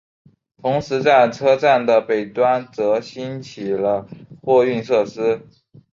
同时在车站的北端则兴起了货运设施。